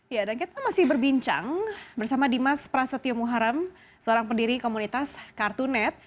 ya dan kita masih berbincang bersama dimas prasetyo muharam seorang pendiri komunitas kartunet